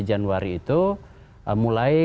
januari itu mulai